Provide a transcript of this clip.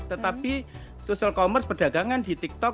tetapi social commerce perdagangan di tiktok